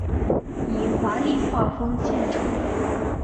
以华丽画风见称。